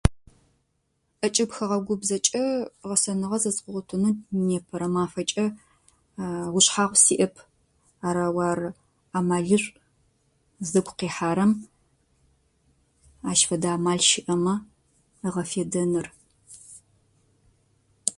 Ӏэкӏыб хэгъэгу бзэкӏэ гъэсэныгъэ зэзгъэгъотынэу непэрэ мафэкӏэ ушъхьагъ сиӏэп. Арау ар ӏамалышӏу, зыгу къихьэрэм ащ фэдэ ӏамал щыӏэмэ ыгъэфедэныр.